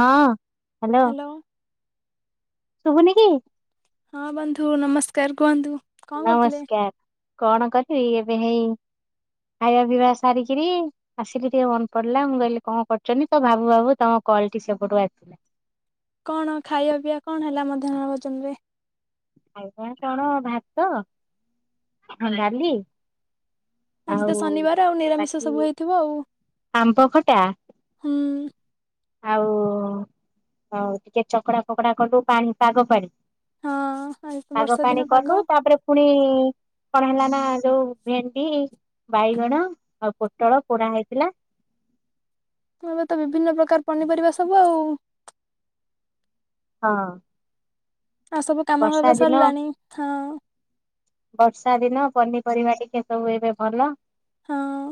ହଁ hello hello ଶୁଭୁନି କି? ହଁ ବନ୍ଧୁ ନମସ୍କାର କୁହନ୍ତୁ। କଣ କରୁଥିଲେ? ନମସ୍କାର୍ କଣ କରିବି ଏବେ ହେଇ ଖାଇବା ପିିଇବା ସାରିକିରି ଆସିକି ଟିକେ ମନ୍ ପଡିଲା ମୁଁ କହିଲି କଣ କରୁଛନ୍ତିି ତ ଭାବୁ ଭାବୁ ତମ କଲ୍ ଟି ସେପଟୁ ଆସିଲା। କଣ ଖାଇବା ପିଇବା କଣ ହେଲା ମଧ୍ୟାହ୍ନ ଭୋଜନ ରେ? ଖାଇବା କଣ ଭାତ, ଡାଲି ଆଜି ତ ଆଉ ଶନିବାର ଆଉ ନିରାମିଷ ବାକି ସବୁ ହେଇଥିବ ଆଉ ଆମ୍ବ ଖଟା। ହୁଁ -ଉଁ-ଉ ଆଉ, ଆଉ ଟିକେ ଚକଡା ଫକଡା କର୍ ଦବୀଲୁ ପାଣି ପାଗ ପାଣି। ହଁ ଆଜି ତ ଶାଗ ବର୍ଷା ଦିନ ପାଣି ପାଗ। କଲୁ ତାପରେ ପୁଣି କଣ ହେଲା ନା ଯୋଉ ଭେଣ୍ଡି ବାଇଗଣ ଆଉ ପୋଟଳ ପୋଡା ହେଇଥିଲା। ଏବେ ତ ବିଭିନ୍ନ ପ୍ରକାର ପନିପରିବା ସବୁ ଆଉ। ହଁ। ଆଉ ସବୁ କାମ ବର୍ଷା ହବା ଦିନ ସରିଲାଣି, ହଁ। ବର୍ଷା ଦିନ ପନିପରିବା ଟିକେ ସବୁ ଏବେ ଭଲ। ହଁ।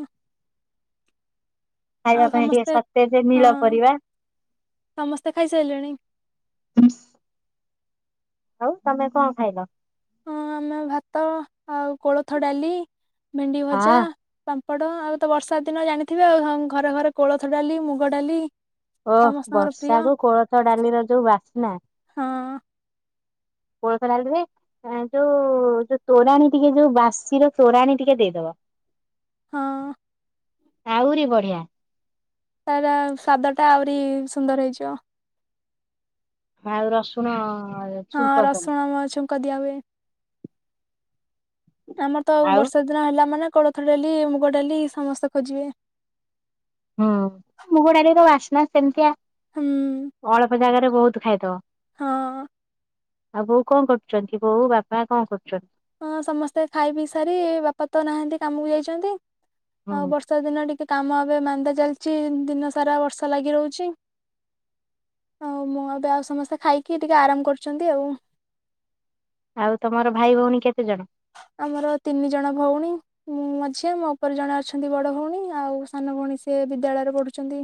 ଆଉ ଖାଇବା ପାଇଁ ଟିକେ ସମସ୍ତେ ସତେ ଯେ ହଁ ନିଳ ପରିବା। ସମସ୍ତେ ଖାଇସାରିଲେଣି? ଆଉ ତମେ କଣ ଖାଇଲ? ହଁ ଆମେ ଭାତ, ଆଉ କୋଳଥ ଡାଲି, ଭେଣ୍ଡି ଆ ଭଜା ପାମ୍ପଡ଼ ଆଉ ତ ବର୍ଷା ଦିନ ଜାଣିଥିବେ ଆଉ ଘରେ ଘରେ କୋଳଥ ଡାଲି, ମୁଗ ଡାଲି ଓଃ ସମସ୍ତଙ୍କର ପ୍ରିୟ ବର୍ଷା କୁ କୋଳଥ ଡାଲି ର ଯୋଉ ବାସ୍ନା। ହଁ। କୋଳଥ ଡାଲିରେ [unintelligible] ଯୋଉ ତୋରାଣୀ ଟିକେ ଯୋଉ ବାସିର ତୋରାଣୀ ଟିକେ ଦେଇଦବ। ହଁ। ଆହୁରି ବଢିଆ। ତାର ସ୍ଵାଦ ଟା ଆହୁରି ସୁନ୍ଦର ହେଇଯିବ। ଆଉ ରସୁଣ-ଅଁ-ଅ ହଁ ରସୁଣ ମ ଛୁଙ୍କ ଦିଆ ହୁଏ। ଆମର ତ ଆଉ ବର୍ଷା ଦିନ ହେଲା ମାନେ କୋଳଥର ଡାଲି ମୁଗ ଡାଲି ସମସ୍ତେ ଖୋଜିବେ। ହଁ ମୁଗ ଡାଲିର ବାସ୍ନା ସେମିତିଆ। ହାଁ -ମ୍-ଉଁ ଅଳପ ଜାଗାରେ ବୋହୁତ୍ ଖାଇଦବ। ହଁ-ଅ-ଅ ଆଉ ବୋଉ କଣ କରୁଛନ୍ତି, ବୋଉ ବାପା କଣ କରୁଛନ୍ତି? ହଁ ସମସ୍ତେ ଖାଇ ପିଇ ସାରି ବାପା ତ ନାହାନ୍ତି କାମକୁ ଯାଇଛନ୍ତି, ହୁଁ ଆଉ ବର୍ଷ ବର୍ଷା ଦିନ ଟିକେ କାମ ଏବେ ମାନ୍ଦା ଚାଲିଛି ଦିନ ସାରା ବର୍ଷା ଲାଗି ରହୁଚି। ଆଉ ମୁଁ ଏବେ ଆଉ ସମସ୍ତେ ଖାଇକି ଟିକେ ଆରାମ୍ କରୁଛନ୍ତି ଆଉ। ଆଉ ତମର ଭାଇ ଭଉଣୀ କେତେଜଣ? ଆମର ତିନି ଜଣ ଭଉଣୀ। ମୁଁ ମଝିଆ ମୋ ଉପରେ ଜଣେ ଅଛନ୍ତି ବଡ଼ ଭଉଣୀ ଆଉ ସାନ ଭଉଣୀ ସେ ବିଦ୍ୟାଳୟରେ ପଢୁଛନ୍ତି।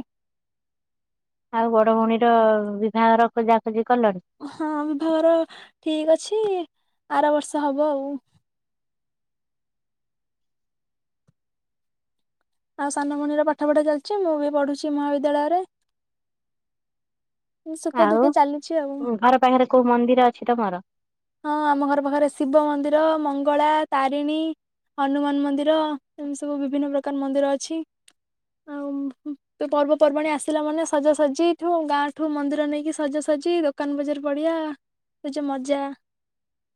ଆଉ ବଡ ଭଉଣୀର ବିବାହର ଖୋଜା ଖୋଜି କଲଣି? ହଁ ଭର ଠିକ୍ ଅଛି, ଆର ବର୍ଷ ହବ ଆଉ। ଆଉ ସାନ ଭଉଣୀର ପାଠପଢ଼ା ଚାଲ୍ ଛି ମୁଁ ବି ପଢ଼ୁଛି ମହାବିଦ୍ୟାଳୟରେ। ସୁଖେ ଦୁଃଖେ ଚାଲିଛି ଆଉ ଘର ପାଖରେ କୋଉ ମନ୍ଦିର ଅଛି ତମର? ହଁ ଆମ ଘର ପାଖରେ ଶିବ ମନ୍ଦିର ମଙ୍ଗଳା ତାରିଣୀ ହନୁମାନ ମନ୍ଦିର ଏମତି ସବୁ ବିଭିନ୍ନ ପ୍ରକାର ମନ୍ଦିର ଅଛି ଆଉ ତ ପର୍ବ ପର୍ବାଣି ଆସିଲା ମାନେ ସଜସଜଜିଠୁ ଗାଁଠୁ ମନ୍ଦିର ନେଇକି ସଜାସଜି ଲୋ ଦୋକାନ ବଜାର ପଡିଆ ସେ ଯ ମଜା।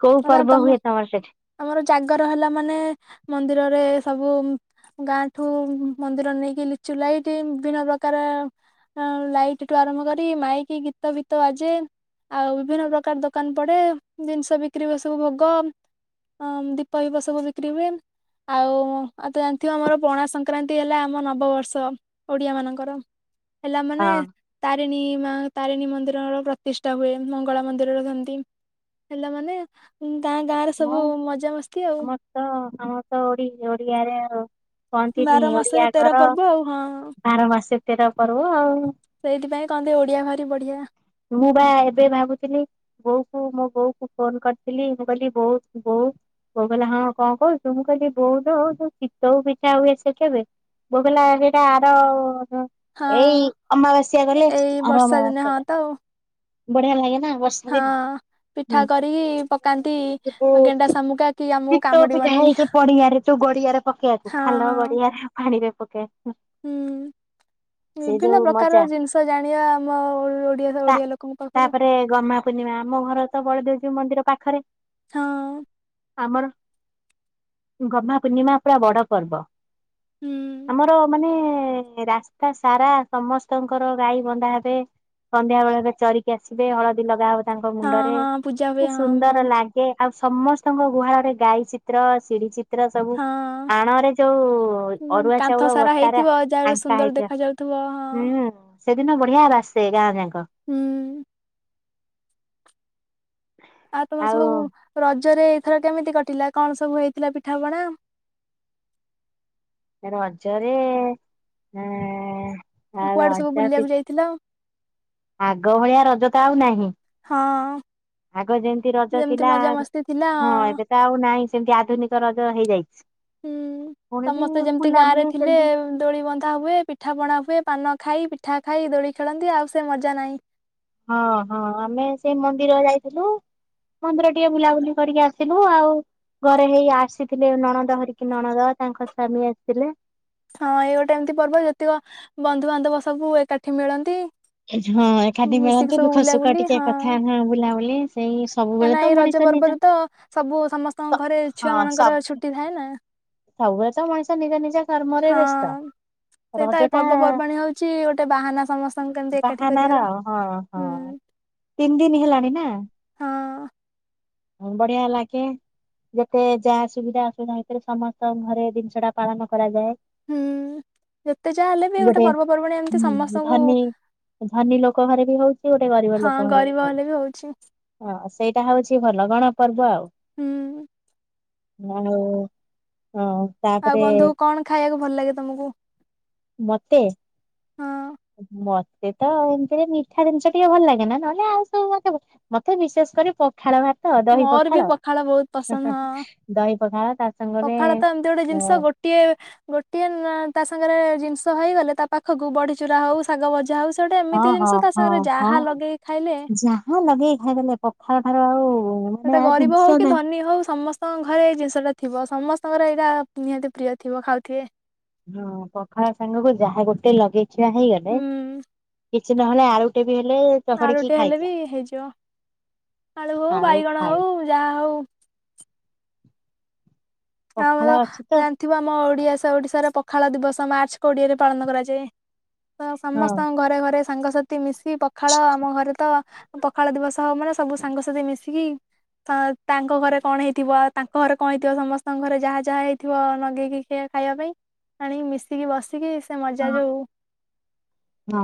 କୋଉ ଆଉ ପର୍ବ ତମ ହୁଏ ତମର ସେଠି? ଆମର ଜାଗର ହେଲା ମାନେ ମନ୍ଦିରରେ ସବୁ ଗାଁ ଠୁ ମନ୍ଦିର ନେଇକି ଲିଚୁ ଲାଇଟିି ବିଭିନ୍ନ ପ୍ରକାର ଆ ଲାଇଟ୍ ଠୁ ଆରମ୍ଭ କରି ମାଇକି ଗୀତବୀତ ବାଜେ। ଆଉ ବିଭିନ୍ନ ପ୍ରକାର ଦୋକାନ ପଡେ ଜିନିଷ ବିକ୍ରି ସବୁ ଭୋଗ। ଅ ଦୀପ ଫିପ ସବୁ ବିକ୍ରିହୁଏ। ଆଉ ଆ ତ ଜାଣିଥିବ ଆମର ପଣା ସଂକ୍ରାନ୍ତି ହେଲା ଆମ ନବବର୍ଷ। ଓଡିଆ ମାନଙ୍କର ହେଲା ମାନେ ହଁ। ତାରିଣୀ ମା ତାରିଣୀ ମନ୍ଦିରର ପ୍ରତିଷ୍ଠା ହୁଏ ମଙ୍ଗଳା ମନ୍ଦିରରେ ଥାନ୍ତି। ହେଲା ମାନେ ଗାଁ ଗାଁରେ ସବୁ ହଁ ମଜା ମସ୍ତି ଆଉ। ଆମର ତ ଆମର ତ ଓଡି ଓଡିଆରେ ଆଉ କହନ୍ତିନି ବାର ମାସରେ ଓଡିଆ ତେର ଘର। ପର୍ବ ଆଉ ହଁ ବାର ମାସେ ତେର ପର୍ବ ଆଉ। ସେଇଥିପାଇଁ କହନ୍ତି ଓଡିଆ ଭାରି ବଢିଆ। ମୁଁ ବା ଏବେ ଭାବୁଥିଲି ବୋଉ କୁ ମୋ ବୋଉ କୁ ଫୋନ କରିଥିଲି ମୁଁ କହିଲି ବୋଉ ବୋଉ ବୋଉ କହିଲା ହଁ କଣ କହୁଚୁ ମୁଁ କହିଲି ବୋଉ ଲୋ ଯୋଉଁ ଭିତଉ ପିଠା ହୁଏ ସେ କେବେ? ବୋଉ କହିଲା ଏଟା ଆର ଏଇ ହଁ ଅମାବାସ୍ୟା ଗଲେ ଏଇ ଆର ବର୍ଷା ଦିନେ ଅମାବାସ୍ୟା ହଁ ଟା। ତ ଆଉ ବଢିଆ ଲାଗେ ନା ବ ହଁ ପିଠା କରିକି ପକାନ୍ତି ଯିବୁ ଗେଣ୍ଡା ଶାମୁକା କି ଆମକୁ ପିଟଉ ପିଠା କାମୁଡିବନି। ହେଇକି ପଡିଆରେ ଯୋଉ ଗଡିଆରେ ପକେଇବାକୁ ହଁ ଖାଲ ହଁ ଗଡିଆରେ ପାଣି ରେ ପକେଇବା। ହୁଁ ବିଭିନ୍ନ ଯୋଉ ପ୍ରକାର ମଜା ଜିନିଷ ଜାଣିବା ଆମ ଓଡିଆ ତା ଓଡିଆ ଲୋକଙ୍କ ପାଖରୁ ତାପରେ ଗମା ପୂର୍ଣ୍ଣିମା ଆମ ଘର ତ ବଳଦେବଜୀଉ ମନ୍ଦିର ପାଖରେ। ହଁ। ଆମର ଗମା ପୂର୍ଣ୍ଣିମା ପୁରା ବଡ ପର୍ବ। ହୁଁ। ଆମର ମାନେ ରାସ୍ତା ସାରା ସମସ୍ତଙ୍କର ଗାଈ ବନ୍ଧା ହେବେ। ସନ୍ଧ୍ୟା ବେଳେ ଚରିକି ଆସିବେ ହଳଦୀ ଲଗା ହବ ତାଙ୍କ ହଁ ମୁଣ୍ଡରେ ହଁ ପୂଜା ହୁଏ କି ହଁ ମୁଁ ସୁନ୍ଦର ଲା ଜାଣିଛି ଗେ ଆଉ ସମସ୍ତଙ୍କ ଗୁହାଳରେ ଗାଈ ଚିତ୍ର ସିଡି ଚିତ୍ର ତ୍ର ସବୁ ହଁ ଆଣରେ ଯୋଉ ଅରୁଆ କାନ୍ଥ ଚାଉଳ ସାରା ବଟାରେ ହେଇଥିବ ଯାହାର ଆଙ୍କା ସୁନ୍ଦର ହେଇିଥିବ। [unintelligible] ସେ ଦିନ ବଢିଆ ବାସେ ଗାଁ ଯାକ। ହୁଁ। ଆଉ ତମର ସବୁ ରଜରେ ଏଇଥର କେମିତି କଟିଲା କଣ ସବୁ ହେଇଥିଲା ପିଠାପଣା? ରଜରେ ଆ ଆ ରଜ ପି ଥିଲ। ଆଗ ଭଳିଆ ରଜ ତ ଆଉ ନାହିଁ। ହଁ ଆଗ ଯେମିତି ରଜ ଯେମିତି ଥିଲା ମଜାମସ୍ତି ଥିଲା ହଁ ଏବେ ସେତେ ଆଉ ନାହିଁ ସେମିତି ଆଧୁନିକ ରଜ ହେଇଯାଇଛି। ହୁଁ ପୁଣି ବି ସମସ୍ତେ ଯେମିତି ଗାଁ ରେ ବୁଲାବୁଲି ଥିଲେ ସେମିତି ଦୋଳି ବଧ ତା ହୁଏ ପିଠା ପଣା ହୁଏ ପାନ ଖାଇ ପିଠା ଖାଇ ଦୋଳି ଖେଳନ୍ତି ଆଉ ସେ ମଜା ନାହିଁ। ହଁ ହଁ ଆମେ ସେଇ ମନ୍ଦିର ଯାଇଥିଲୁ। ମନ୍ଦିର ଟିକେ ବୁଲାବୁଲି କରିକି ଆସିଲୁ ଆଉ। ଘରେ ହେଇ ଆସିଥିଲେ ନଣଦ ହରିକି ନଣଦ ତାଙ୍କ ସ୍ୱାମୀ ଆସଥିଲେ। ହଁ ଏଇ ଗୋଟେ ଏମତି ପର୍ବ ଯେତିକ ବନ୍ଧୁବାନ୍ଧବ ସବୁ ଏକାଠି ମିଳନ୍ତି। ହଁ ଝଁ ଏକାଠି ମିଶିକି ମିଳନ୍ତି ସବୁ ଦୁଃଖ ସୁଖ ବୁଲାବୁଲି ଟିକେ ହଁ କଥା ବାର୍ତ୍ତା ବୁଲାବୁଲି ସେଇଁ କାହିଁକିନା ସବୁବେଳେ ଏଇ ତ ରଜ ମଣିଷ ପର୍ବରେ ନିଜ ତ ସବୁ ସମସ୍ତଙ୍କ ଘରେ ଛୁଆ ମାନଙ୍କର ଛୁଟି ଥାଏ ନା? ସବୁବଳେତ ମଣିସ ନିଜ ନିଜ କର୍ମରେ ବ୍ୟସ୍ତ। ହଁ। ସେଇତ ଏଇ ରଜ ଟା ପର୍ବପର୍ବାଣୀ ହଉଛି ଗୋଟେ ବାହାନା ସମସ୍ତଙ୍କୁ କେମିତି ଏକାଠି ବାହାନା ର କରିବାର ଆଉ ହଁ ହୁଁ। ହଁ। ତିନ ଦିନି ହେଲାଣି ନା। ହଁ ହୁଁ ବଢ଼ିଆ ହେଲା କେ ଯେତେ ଯାହା ସୁବିଧା ଅସୁବିଧା ଭିତେରେ ସମସ୍ତଙ୍କ ଘରେ ଜିନିଷ ଟା ପାଳନ କରାଯାଏ। ହୁଁ ଯେତେ ଯାହା ହେଲେ ବି ଗୋଟେ ପର୍ବପର୍ବାଣିୀ ଏମତି ହୁଁ ସମସ୍ତଙ୍କୁ ଧନୀ ଧନୀ ଲୋକ ଘରେ ବି ହଉଚି ଗୋଟେ ଗରିବ ହଁ ଲୋକ ଘରେ ଗରିବ ହେଲେବି ହଉଛି। ହଁ ସେଇଟା ହଉଛି ଭଲ ଗଣପର୍ବ ଆଉ। ହୁଁ। ନାଣ୍ଡୁ ହଁ। ଆଉ ତାପରେ ବନ୍ଧୁ କଣ ଖାଇବାକୁ ଭଲ ଲାଗେ ତମକୁ? ମତେ ହଁ। ମତେ ତ ଏମତିରେ ମିଠା ଜିନିଷ ଟିକେ ଭଲ ଲାଗେ ନା ନହେଲେ ଆଉ ସବୁ ମତେ ଭ ମତେ ବିଶେଷ କରି ପଖାଳ ଭାତ ଦହି ମୋର ବି ପଖାଳ ବହୁତ ହେଁ ପସନ୍ଦ ହେଁ ହଁ ହେଁ ଦହି ପଖାଳ ତା ସାଙ୍ଗରେ ପଖାଳ ତ ଏମତି ଗୋଟେ ଜିନଷ ଗୋଟ ଟିଏ ଗୋଟିଏ ନା ତା ସାଙ୍ଗେରେ ଜିନଷ ହେଇଗଲେ ତା ପାଖକୁ ବଢ଼ି ଚୁରା ହଉ ଶାଗ ଭଜା ହଉ ସେ ଗୋଟେ ହଁ ଏମିତି ହଁ ଜିନଷ ତା ହଁ ସାଙ୍ଗରେ ଯାହା ଲଗେଇ ଖାଇଲେ ହଁ ଲଗେଇକି ଖାଇଦେଲେ ପଖାଳ ଠାରୁ ଆଉ ଉ ଉଁ ସେଟା ଗରିବ ହଉ କି ଧନୀ ହଉ ସମ ସ୍ତଙ୍କ ଘରେ ଏଇ ଜିନଷ ଟା ଥିବ ସମସ୍ତଙ୍କର ଏଇଟା ନିହାତି ପ୍ରିୟ ଥିବ ଖାଉଥିବେ। ହଁ ପଖାଳ ସାଙ୍ଗକୁ ଯାହା ଗୋଟେ ଲଗେଇ ଖିଆ ହେଇଗଲେ ହୁଁ କିଛି ନହେଲେ ଆଳୁ ଟେ ବି ହେଲେ ଚକଡିକି ଆଳୁଟେ ହେଲେ ବି ଖାଇଦିଅ ହେଇଯିବ ଆଳୁ ହଉ ଆଉ ବାଇଗଣ ଖାଇ ହଉ ଯାହା ହଉ। ପଖାଳ ଆମର ଅଛି ତ ଜାଣିଥିବ ଆମ ଓଡ଼ିଆ ସ ଓଡ଼ିଶାର ପଖାଳ ଦିବସ ମାର୍ଚ୍ଚ କୋଡ଼ିଏରେ ପାଳନ କରାଯାଏ। ତ ହଁ ସମସ୍ତଙ୍କ ଘରେ ଘରେ ସାଙ୍ଗସାଥି ମିଶ କି ପଖାଳ ଆମ ଘରେ ତ ପଖାଳ ଦିବସ ହବ ମାନେ ସ ସବୁ ସାଙ୍ଗସାଥି ମିଶିକି ତା ତାଙ୍କ ଘରେ କଣ ହେଇଥିବ ଆ ତାଙ୍କ ଘରେ କଣ ହେଇଥିବ ସମସ୍ତ ତାଙ୍କ ଘରେ ଯାହା ଯାହା ହେଇଥିବ ନଗେଇକି ଖାଇବା ପାଇଁ ଆଣିକି ମିଶିକି ବସିକି ସେ ମଜା ହଁ ଯୋଉ ହଁ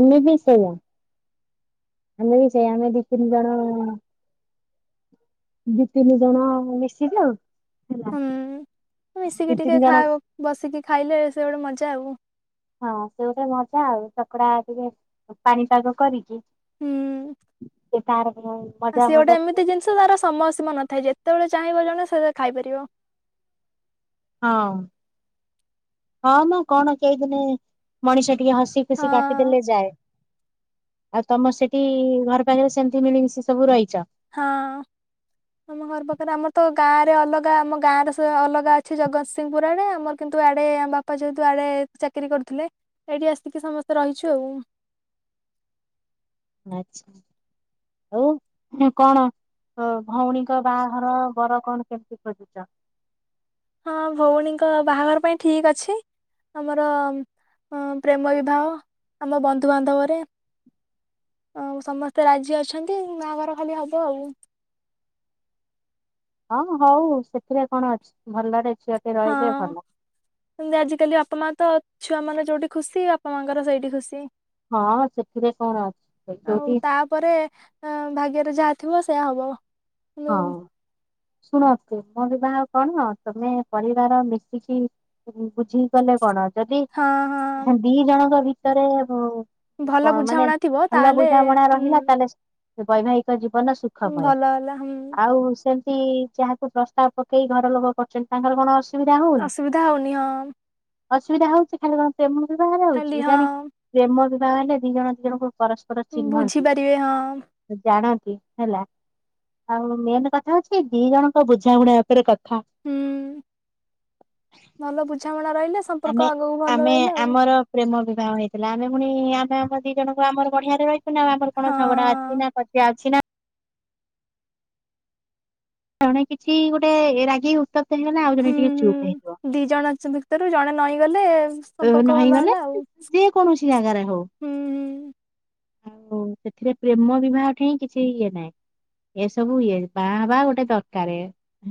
ଆମେ ବି ସେଇଆ। ଆମେ ବି ସେଇଆ ଆମେ ଦି ତିନ ଜଣ ଦି ତିନି ଜଣ ମିଶିକି ଆଉ। ହୁଁ ଦି ମିଶିକି ତିନି ଟିକେ ଜଣ ଖାଓ ବସିକି ଖାଇଲେ ସେ ଗୋଟେ ମଜା ଆଉ। ହଁ ସେ ଗୋଟେ ମଜା ଆଉ ଚକଡ଼ା ଟିକେ ପାଣିପାଗ କରିକି ହୁଁ। ସେ ତାର ପୂର୍ବ ମିଳୁଚି। ଆ ସିଏ ଗୋଟେ ଏମିତି ଜିନଷ ତାର ସମୟ ସୀମା ନଥାଏ ଯେତବଳେ ଚାହିଁବ ଜଣେ ସେ ଖାଇପାରିବ। ହଁ ହଁ ମ କଣ କେଇଦିନେ ମଣିଷ ଟିକେ ହସି ଖୁସି ହଁ କାଟିଦେଲେ ଯାଏ। ଆଉ ତମର ସେଠି ଘର ପାଖରେ ସେମିତି ମିଳିମିଶି ସବୁ ରହିଚ। ହଁ ଆମ୍ ଆମ ଘର ପାଖରେ ଆମର ତ ଗାଁରେ ଅଲଗା ଆମ ଗାଁରେ ସେ ଅଲଗା ଅଛି ଜଗତସିଂହପୁର ଆଡେ ଆମର କିନ୍ତୁ ଆଡେ ଆମ ବା ପା ଯେହେତୁ ଆଡେ ଚାକିରି କରୁଥିଲେ ଏଇଠି ଆସିକି ସମସ୍ତେ ରହିଛୁ ଆଉ। ଆଚ୍ଛା ଆଉ କଣ [unintelligible] ଭଉଣୀଙ୍କ ବାହାଘର ବର କଣ କେମିତି ଖୋଜୁଚ? ହଁ ଭୋଉଣୀଙ୍କ ବାହାଘର ପାଇଁ ଠିକ ଅଛି। ଆମର ପ୍ରେମ ବିବାହ ଆମ ବନ୍ଧୁବାନ୍ଧବରେ। ଆଉ ସମସ୍ତେ ରାଜି ଅଛନ୍ତି ବାହାଘର ଖାଲି ହବ ଆଉ। ହଁ ହଉ ସେଥିରେ କଣ ଅଛି ଭଲରେ ଝିଅଟେ ରହିଲେ ହଁ ଭଲ। [unintelligible] ଆଜିକାଲି ବାପା ମା ତ ଛୁଆ ମାନେ ଯୋଉଠି ଖୁସି ବାପା ମାଙ୍କର ସେଇଠି ଖୁସି। ହଁ ସେଥିରେ କଣ ଅଛି ସେ ଯୋଉଠି ପରେ ଭାଗ୍ୟରେ ଯାହା ଥିବ ସେଇୟା ହବ। କିନ୍ତୁ ହଁ ଶୁଣ ପ୍ରେମ ବିବାହ କଣ ତମେ ପରିବାର ମିଶିକି ଉଁ ବୁଝିକି କଲେ କଣ ଯଦି ହଁ ହଁ ଦି ଜଣଙ୍କ ଭିତରେ ଭୋ ଭଲ କଁ ମାନେ ବୁଝାମଣା ଥିବ ଭଲ ତାହେଲେ ବୁଝାମଣା ରହିଲା ତାହେଲେ ବୈବାହିକ ଜୀବନ ସୁ ଉଁ ଭଲ ହେଲା ହୁଁ। ଆଉ ସେମିତି ଯାହାକୁ ପ୍ରସ୍ତାବ ପକେଇ ଘର ଲୋକୋ କରୁଛନ୍ତି ତାଙ୍କର କଣ ଅସୁବିଧା ହୋଉନି ଅସୁବିଧା ହଉନି ହଁ ଅସୁବିଧା ହୋଉଚି ଖାଲି କଣ ପ୍ରେମ ବିବାହରେ ଖାଲି ହୋଉଚି ଜାଣି ହଁ ପ୍ରେମ ବିବାହ ହେଲେ ଦି ଜଣ ଦି ଜଣଙ୍କୁ ପରସ୍ପର ଚିହ୍ନନ୍ତି। ବୁଝିପାରିବେ ହଁ ଜାଣନ୍ତି ହେଲା। ଆଉ ମେନ୍ କଥା ହୋଉଚି ଦି ଜଣଙ୍କ ବୁଝାବଣା ଉପରେ କଥା। ହୁଁ ଭଲ ବୁଝାମଣା ରହିଲେ ଆମେ ସମ୍ପର୍କ ଆଗକୁ ଭଲ ଆମେ ରହିଲା ଆଉ। ଆମର ପ୍ରେମ ବିବାହ ହେଇଥିଲା ଆମେ ପୁଣି ଆମେ ଆମ ଦି ଜଣଙ୍କୁ ଆମର ବଢିଆରେ ରହି ଚୁନା ଆଉ ଆମର କଣ ହଁ ଝଗଡା ଅଛି ନା କଜିଆ ଅଛି ନା ଜଣେ କିଛି ଗୋଟେ ରାଗି ଉତ୍ତପ୍ତ ହେଇଗଲେ ଆଉ ଜଣେ ଟିକେ ଚୁପ୍ ହେଇଯିବ। ଦିଜଣ [unintelligible] ଭିତରୁ ଜଣେ ନଈଁଗଲେ ଏ ନଇଁଗଲେ ଯେ କୌଣସି ଜାଗାରେ ହୋଉ। ହୁଁ ହୁଁ ଆଉ ସେଥିରେ ପ୍ରେମ ବିବାହ ଠେଇଁ କିଛି ଇଏ ନାହିଁ। ଏ ସବୁ ଇଏ ବାହାହବା ଗୋଟେ ଦରକାରେ।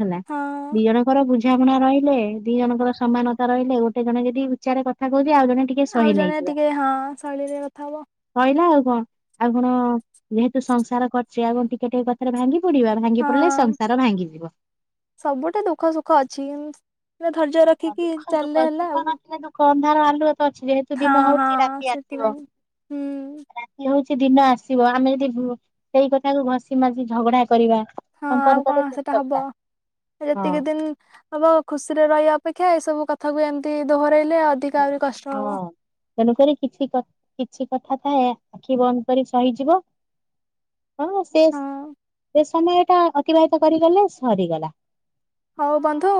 ହେଲା ହଁ ଦି ଜଣଙ୍କର ବୁଝାମଣା ରହିଲେ ଦି ଜଣଙ୍କର ସମାନତା ରହିଲେ ଗୋଟେ ଜଣ ଯଦି ହଜାରେ କଥା କୋହୁଚି ଆଉ ଜଣେ ଟିକେ ସହି ଆଉ ଜଣେ ଟିକେ ହଁ ଶୈଳୀରେ କଥା ହବ। କହିଲା ଆଉ କଁ ଆଉ କଣ ଯେହେତୁ ସଂସାର କରିଚେ ଆଉ କଣ ଟିକେ ଟିକେ କ ଥାରେ ଭାଙ୍ଗି ପଡିବା ଭାଙ୍ଗି ପଡିଲେ ସଂସାର ଭାଙ୍ଗିଯିବ। ସବୁଟା ଦୁଃଖ ସୁଖ ଅଛି ହେଲେ ଧୈର୍ଯ୍ୟ ରଖିକି ଚାଲିଲେ ହେଲା ଆଉ। କ ଅନ୍ଧାର ଆଲୁଅ ତ ଅଛି ଯେହେତୁ ହଁ ଦିନ ହୋଉଛି ହଁ ରାତି ଆସିବ। ସେଥିପାଇଁ ହୁଁ ଇଏ ହୋଉଛି ଦିନ ଆସିବ ଆମେ ଯଦି ସେଇ କଥାକୁ ଘଷି ମାଜି ଝଗଡା କରିବା। ହଁ ଆଉ ସମ୍ପର୍କରେ କଣ ସେଟା ତିକ୍ତତା ହବ ଯେତିକି ହଁ ଦିନ ହବ ଖୁସିରେ ରହିବା ଅପେକ୍ଷା ଏସବୁ କଥାକୁ ଏମିତି ଦୋହୋରେଇଲେ ଅ ହଁ। ତେଣୁ କରି କିଛି କିଛି କଥା ଥାଏ ଆଖି ବନ୍ଦ କରି ସହିଯିବ। ହଁ ସେ ସେ ସମୟ ଟା ଅତିବାହିତ କରିଗଲେ ସରିଗଲା। ହଉ ବନ୍ଧୁ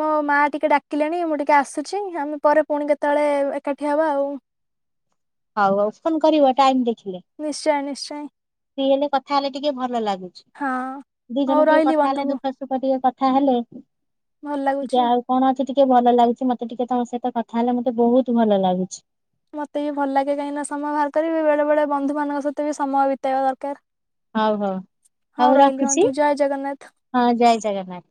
ମୋ ମା ଟିକେ ଡାକିଲେଣି ମୁଁ ଟିକେ ଆସୁଛି, ଆମେ ପରେ ପୁଣି କେତେବେଳେ ଏକାଠି ହବା ଆଉ। ହଉ ହଉ ଫୋନ କରିବ ଟାଇମ ଦେଖିଲେ। ନିଶ୍ଚୟ ନିଶ୍ଚୟ। ଫ୍ରି ହେଲେ କଥା ହେଲେ ଟିକେ ଭଲ ଲାଗୁଛି ହଁ ଦି ହଉ ଜଣ ଟିକେ ରହିଲି କଥା ହେଲେ ବନ୍ଧୁ ଦୁଃଖ ଟିକେ କଥା ହେଲେ ଭଲ ଲାଗୁଛି। ଟିକେ ଆଉ। କଣ ଅଛି ଟିକେ ଭଲ ଲାଗୁଛି ମତେ ଟିକେ ତାଙ୍କ ସହିତ କଥା ହେଲେ ମତେ ବହୁତ ଭଲ ଲାଗୁଛି। ମତେ ବିି ଭଲ ଲାଗେ କାହିଁକିନା ସମୟ ବାହାର କରିବି ବେଳେ ବେଳେ ବନ୍ଧୁ ମାନଙ୍କ ସହିତ ବି ସମୟ ବିତେଇବା ଦରକାର। ହଉ ହଉ ହଉ ରହିଲି ରଖୁଛି, ବନ୍ଧୁ ଜୟ ଜଗନ୍ନାଥ। ହଁ ଜୟ ଜଗନ୍ନାଥ।